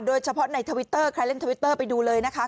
โดยเฉพาะในทวิตเตอร์ใครเล่นทวิตเตอร์ไปดูเลยนะคะ